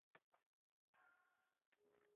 Serial muxlislari esa uni qabul qilmadi